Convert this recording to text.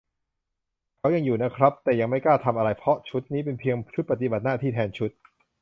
เขายังอยู่นะครับ แต่ไม่กล้าทำอะไร เพราะชุดนี้เป็นเพียง ชุดปฏิบัติหน้าที่แทนชุด